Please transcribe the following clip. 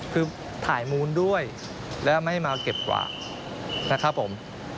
คือถ่ายมูลด้วยแล้วไม่มาเก็บกว่านะครับผม